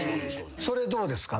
それどうですか？